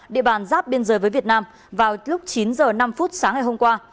địa bàn giáp biên giới với việt nam vào lúc chín h năm sáng ngày hôm qua